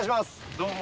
どうも。